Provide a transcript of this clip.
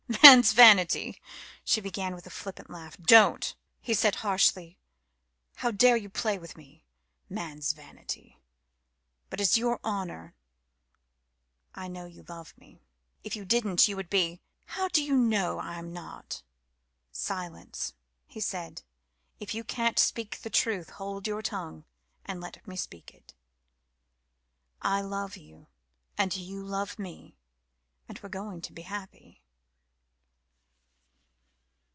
"Man's vanity," she began, with a flippant laugh. "Don't!" he said harshly. "How dare you try to play with me? Man's vanity! But it's your honour! I know you love me. If you didn't you would be " "How do you know I'm not?" "Silence," he said. "If you can't speak the truth hold your tongue and let me speak it. I love you and you love me and we are going to be happy."